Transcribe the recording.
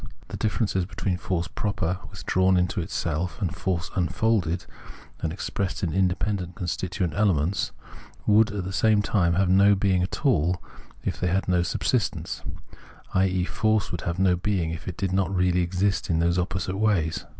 ^ Ine differences between force proper, withdrawn into itself, and force unfolded and expressed in independent con stituent elements, would at the same time have no being at all if they had no subsistence ; i.e. force would have no being if it did not really exist in these opposite ways.